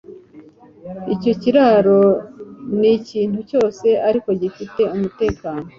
icyo kiraro nikintu cyose ariko gifite umutekano